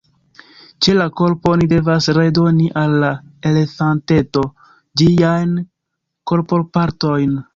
Ĉe la korpo oni devas redoni al la elefanteto ĝiajn korpopartojn.